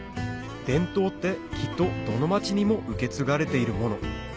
伝統ってきっとどの町にも受け継がれているもの